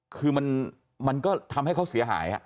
คือมันก็ทำให้เขาเสียหาย